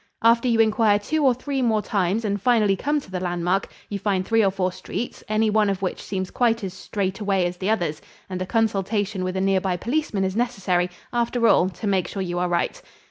After you inquire two or three more times and finally come to the landmark, you find three or four streets, any one of which seems quite as "straight away" as the others, and a consultation with a nearby policeman is necessary, after all, to make sure you are right.